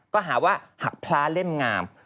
ก็หาว่าหักพลาเล่มงาม